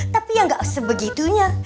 tapi yang nggak sebegitunya